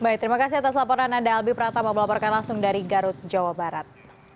baik terima kasih atas laporan anda albi pratama melaporkan langsung dari garut jawa barat